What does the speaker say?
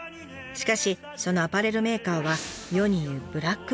しかしそのアパレルメーカーは世にいうブラック企業。